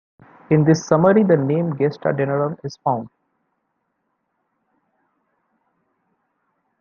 In this summary, the name "Gesta Danorum" is found.